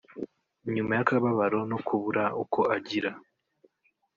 nyuma y’akababaro no kubura uko agira